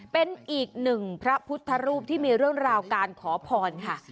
เป็นอีกหนึ่งพระพุทธรูปที่มีเรื่องราวการขอพรค่ะ